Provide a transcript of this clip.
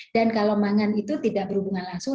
dan kalau mangan itu tidak berhubungan langsung